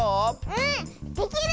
うんできる！